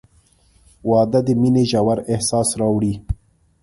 • واده د مینې ژور احساس راوړي.